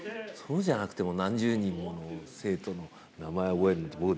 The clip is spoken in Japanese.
そうじゃなくても何十人もの生徒の名前を覚えるなんて